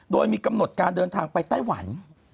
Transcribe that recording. โดยมีกำหนดการเดินทางไปไต้หวัน